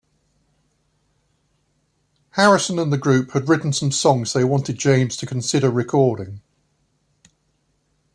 Harrison and the group had written some songs they wanted James to consider recording.